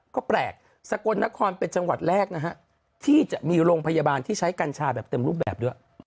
ก็แปลกสกลนครเป็นจังหวัดแรกนะฮะที่จะมีโรงพยาบาลที่ใช้กัญชาแบบเต็มรูปแบบด้วย